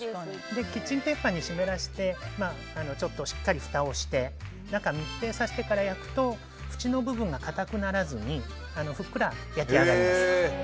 キッチンペーパーに湿らせてしっかりふたをして中、密閉させてから焼くと縁の部分が硬くならずにふっくら焼き上がります。